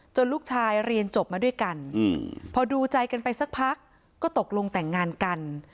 ลูกชายเรียนจบมาด้วยกันพอดูใจกันไปสักพักก็ตกลงแต่งงานกัน